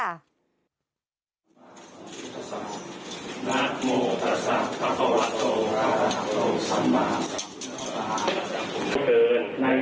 ทั้งหลายเหล่านั้นแก่พวกข้าพเจ้าด้วยเชิญ